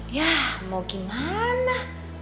yah mau gimana